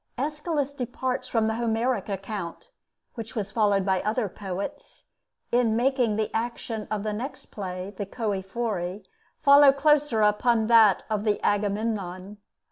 Aeschylus departs from the Homeric account, which was followed by other poets, in making the action of the next play, the 'Choëphori,' follow closer upon that of the 'Agamemnon.'